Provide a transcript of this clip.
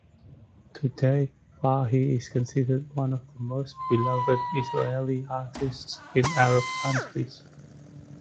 Today, Farhi is considered one of the most beloved Israeli artists in Arab countries.